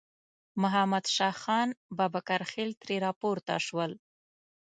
محمد شاه خان بابکرخېل ترې راپورته شول.